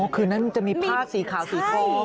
อ๋อคืนนั้นจะมีผ้าสีขาวสีโทร